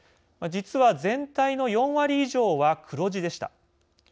実は全体の４割以上は黒字でした。